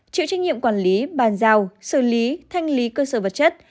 chịu trách nhiệm quản lý bàn giao xử lý thanh lý cơ sở vật chất